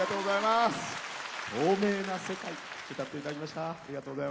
「透明な世界」歌っていただきました。